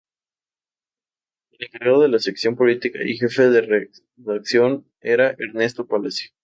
El encargado de la sección política y jefe de redacción era Ernesto Palacio.